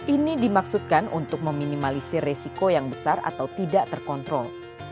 ini dimaksudkan untuk meminimalisir resiko yang besar atau tidak terkontrol